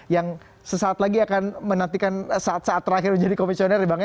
yang sesaat lagi akan menantikan saat saat terakhir menjadi komisioner bangnya